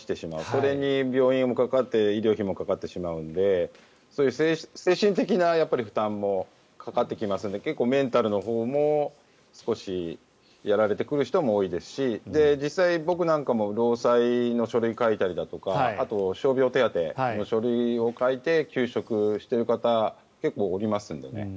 それに病院にかかって医療費もかかってしまうんで精神的な負担もかかってきますので結構、メンタルのほうも少しやられてくる人も多いですし実際、僕なんかも労災の書類を書いたりだとかあと傷病手当の書類を書いて休職している方結構おりますのでね。